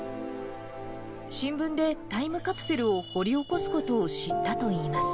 新聞でタイムカプセルを掘り起こすことを知ったといいます。